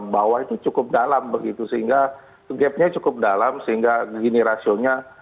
bawah itu cukup dalam begitu sehingga gapnya cukup dalam sehingga gini rasionya